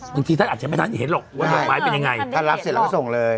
บางทีท่านอาจจะไม่ทันเห็นหรอกว่าดอกไม้เป็นยังไงท่านรับเสร็จแล้วก็ส่งเลย